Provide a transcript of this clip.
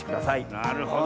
なるほど。